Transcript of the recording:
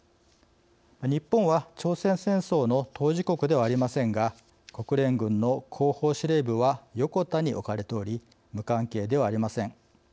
日本は朝鮮戦争の当事国ではありませんが国連軍の後方司令部は横田に置かれており無関係ではありません。